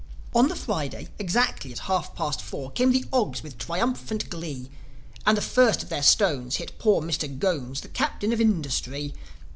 On the Friday, exactly at half past four, Came the Ogs with triumphant glee. And the first of their stones hit poor Mister Ghones, The captain of industry.